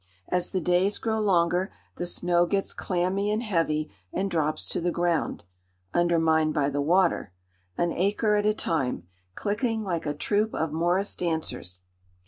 As the days grow longer, the snow gets clammy and heavy, and drops to the ground, (undermined by the water,) an acre at a time, clicking like a troop of morris dancers.